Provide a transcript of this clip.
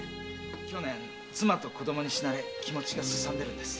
去年妻と子供に死なれ気持ちがすさんでるんです。